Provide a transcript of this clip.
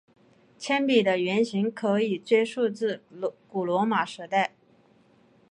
铅笔的原型可以追溯至古罗马时代。